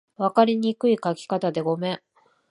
分かりにくい書き方でごめん